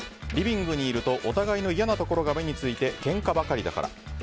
リビングにいると、お互いの嫌なところが目についてけんかばかりだから。